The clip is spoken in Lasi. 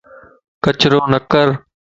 ڪچرو نه ڪر